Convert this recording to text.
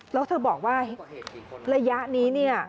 แล้วเธอบอกว่าระยะนี้เนี่ย